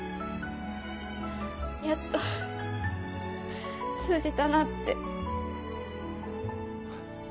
やっと通じたなって。